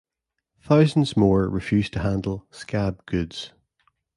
Thousands more refused to handle "scab" goods.